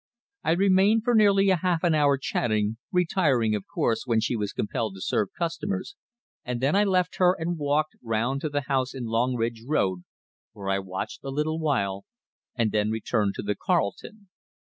I remained for nearly half an hour chatting, retiring, of course, when she was compelled to serve customers, and then I left her and walked round to the house in Longridge Road, where I watched a little while, and then returned to the Carlton.